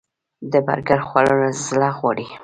د برګر خوړل زړه غواړي